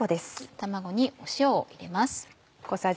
卵に塩を入れます。